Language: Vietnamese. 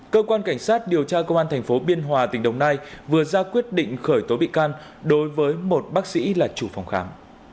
cơ quan cảnh sát điều tra công an tp biên hòa tỉnh đồng nai vừa ra quyết định khởi tố bị can đối với một bác sĩ là chủ phòng khám